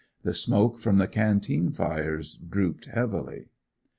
The smoke from the canteen fires drooped heavily.